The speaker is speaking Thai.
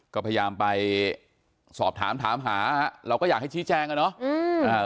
ก็พยายามไปสอบถามถามหาเราก็อยากให้ชี้แจงอ่ะเนาะ